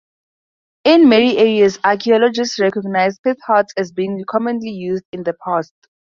In many areas, archaeologists recognize "pit-hearths" as being commonly used in the past.